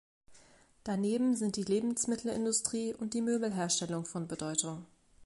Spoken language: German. Daneben sind die Lebensmittelindustrie und die Möbelherstellung von Bedeutung.